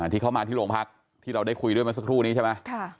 ที่เข้ามาที่โรงพักที่เราได้คุยด้วยมาสักครู่นี้ใช่ไหม